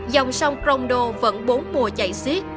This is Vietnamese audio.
dòng sông cromdo vẫn bốn mùa chạy xiết